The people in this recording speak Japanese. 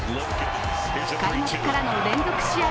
開幕からの連続試合